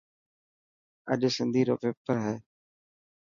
اڄ سنڌي رو پيپر هي.